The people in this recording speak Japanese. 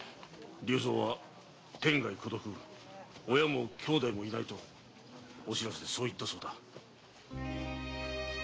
竜蔵は天涯孤独親も妹弟もいないとお白州でそう言ったそうだ。